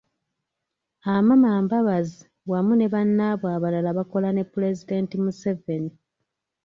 Amama Mbabazi wamu ne Bannaabwe abalala bakola ne Pulezidenti Museveni.